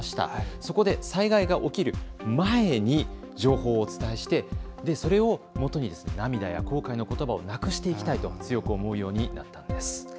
そこで、災害が起きる前に情報をお伝えして、それをもとに涙や後悔の言葉をなくしていきたいと強く思うようになったんです。